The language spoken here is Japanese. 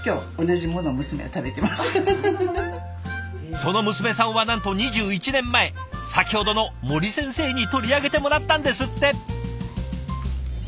その娘さんはなんと２１年前先ほどの森先生に取り上げてもらったんですって。